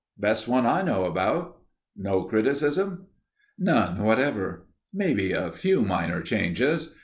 "Best one I know about." "No criticism?" "None whatever. Maybe a few minor changes.